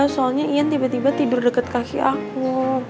soalnya ian tiba tiba tidur dekat kaki aku